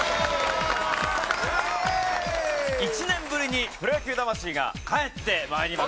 １年ぶりに『プロ野球魂』が帰ってまいりました。